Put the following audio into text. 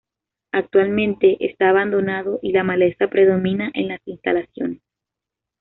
Actualmente esta abandonado y la maleza predomina en las instalaciones.